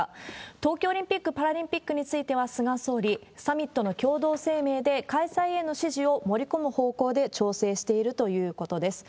東京オリンピック・パラリンピックについては、菅総理、サミットの共同声明で開催への支持を盛り込む方向で調整しているということです。